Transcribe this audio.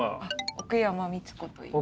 奥山光子といいます。